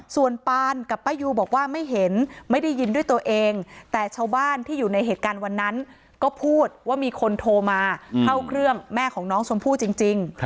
ส่วนปานกับป้ายูบอกว่าไม่เห็นไม่ได้ยินด้วยตัวเองแต่ชาวบ้านที่อยู่ในเหตุการณ์วันนั้นก็พูดว่ามีคนโทรมาเข้าเครื่องแม่ของน้องชมพู่จริง